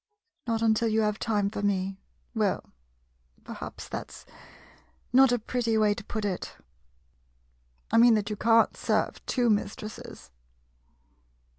Not until you have time for me — well — perhaps that 's not a pretty way to put it — I mean that you can't serve two mistresses.